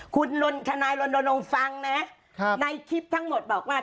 คุณน้องฟังนะในคลิปทั้งหมดบอกว่า